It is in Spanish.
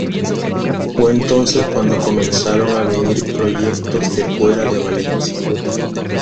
Fue entonces cuando comenzaron a venir proyectos de fuera de Valencia.